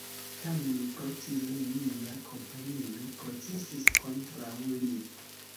Tamen pro tio nenia kompanio procesis kontraŭ li.